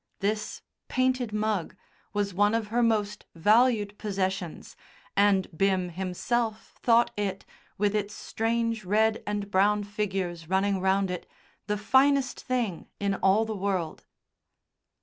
This painted mug was one of her most valued possessions, and Bim himself thought it, with its strange red and brown figures running round it, the finest thing in all the world.